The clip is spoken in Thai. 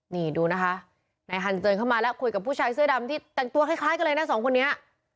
นี่ดูนะคะนายฮันเจินเข้ามาแล้วคุยกับผู้ชายเสื้อดำที่แต่งตัวคล้ายกันเลยนะสองคนนี้